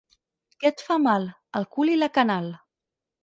Què et fa mal? / —El cul i la canal.